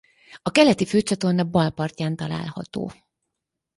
A Keleti-főcsatorna bal partján található.